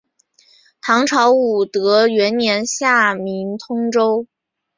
唐朝武德元年复名通州。